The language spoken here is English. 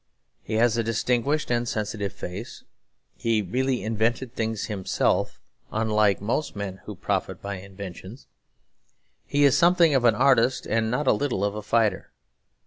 He has a distinguished and sensitive face; he really invented things himself, unlike most men who profit by inventions; he is something of an artist and not a little of a fighter.